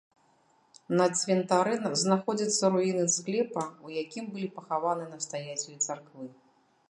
На цвінтары знаходзяцца руіны склепа, у якім былі пахаваны настаяцелі царквы.